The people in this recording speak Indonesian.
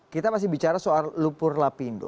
kita masih bicara soal lupur lapindo